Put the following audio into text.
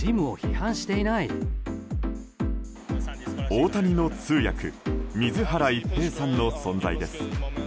大谷の通訳水原一平さんの存在です。